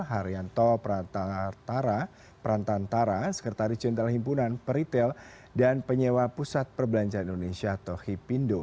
haryanto prantantara sekretari cintal himpunan peritel dan penyewa pusat perbelanjaan indonesia tohi pindo